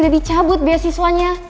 udah dicabut beasiswanya